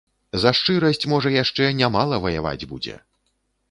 За шчырасць можа яшчэ не мала ваяваць будзе.